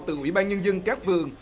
từ ủy ban nhân dân các vườn